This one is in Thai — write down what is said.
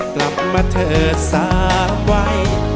กลับมาเถอะสาวไหว